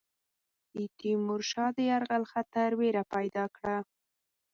د تیمور شاه د یرغل خطر وېره پیدا کړه.